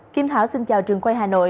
kim thảo xin chào trường quay hà nội